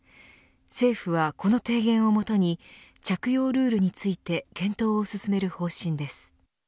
政府はこの提言をもとに着用ルールについて検討を進める方針です。